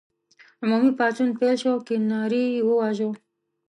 عمومي پاڅون پیل شو او کیوناري یې وواژه.